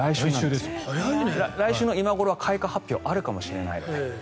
来週の今頃は開花発表があるかもしれないです。